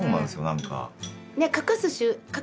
何か。